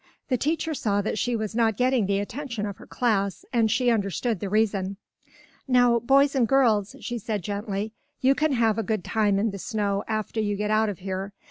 The teacher saw that she was not getting the attention of her class, and she understood the reason. "Now, boys and girls," she said gently, "you can have a good time in the snow after you get out of here.